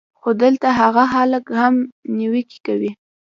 خو دلته هاغه خلک هم نېوکې کوي